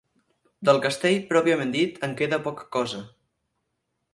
Del castell, pròpiament dit, en queda poca cosa.